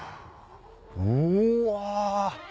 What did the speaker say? うわ。